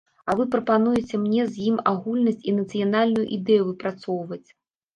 А вы прапануеце мне з ім агульнасць і нацыянальную ідэю выпрацоўваць.